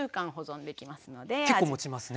結構もちますね。